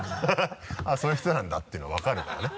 「あぁそういう人なんだ」ていうの分かるからね。